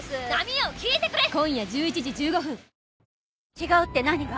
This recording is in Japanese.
違うって何が？